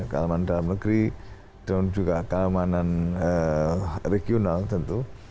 keamanan dalam negeri dan juga keamanan regional tentu